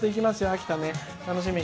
秋田ね。